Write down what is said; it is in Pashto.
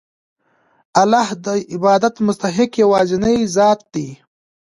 الله د عبادت مستحق یوازینی ذات دی.